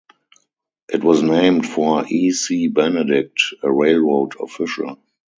It was named for E. C. Benedict, a railroad official.